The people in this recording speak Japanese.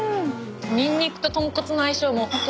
ニンニクと豚骨の相性もホント最高！